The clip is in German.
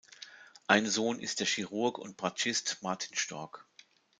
Ein Sohn ist der Chirurg und Bratschist Martin Storck.